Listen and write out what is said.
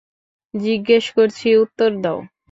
জিজ্ঞেস করছি,, উত্তর দাও।